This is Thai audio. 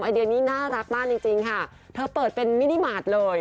เดียนี้น่ารักมากจริงค่ะเธอเปิดเป็นมินิมาตรเลย